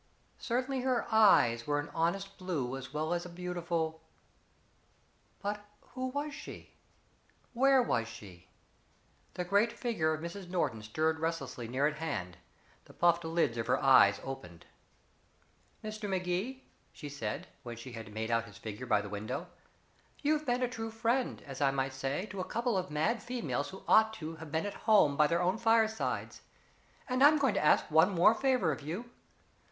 Certainly her eyes were an honest blue as well as a beautiful but who was she? Where was she? The great figure of Mrs. Norton stirred restlessly near at hand; the puffed lids of her eyes opened. "Mr. Magee," she said, when she had made out his figure by the window, "you've been a true friend, as I might say, to a couple of mad females who ought to have been at home by their own firesides, and I'm going to ask one more favor of you.